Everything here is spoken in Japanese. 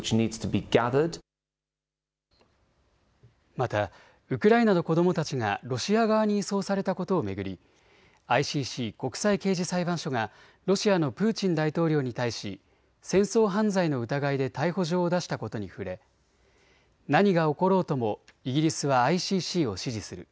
またウクライナの子どもたちがロシア側に移送されたことを巡りＩＣＣ・国際刑事裁判所がロシアのプーチン大統領に対し戦争犯罪の疑いで逮捕状を出したことに触れ何が起ころうともイギリスはＩＣＣを支持する。